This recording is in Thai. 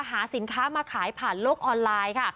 หาสินค้ามาขายผ่านโลกออนไลน์ค่ะ